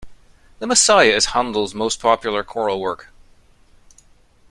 The Messiah is Handel's most popular choral work